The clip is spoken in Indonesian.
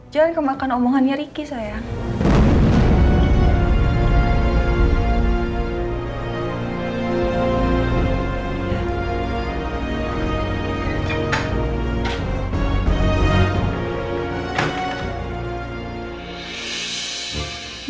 jangan kemakan omongannya ricky sayang